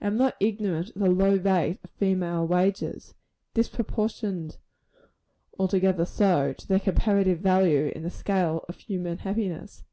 I am not ignorant of the low rate of female wages disproportioned, altogether so, to their comparative value in the scale of human happiness.